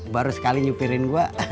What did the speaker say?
baru sekali nyupirin gue